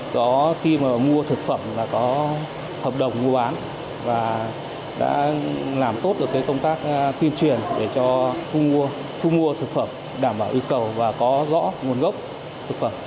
do khi mà mua thực phẩm là có hợp đồng mua bán và đã làm tốt được công tác tiêm truyền để cho khu mua thực phẩm đảm bảo ưu cầu và có rõ nguồn gốc thực phẩm